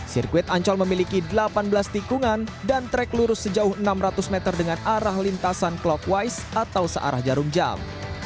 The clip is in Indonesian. sirkuit ancol memiliki delapan belas tikungan dan trek lurus sejauh enam ratus meter dengan arah lintasan clockwise atau searah jarum jam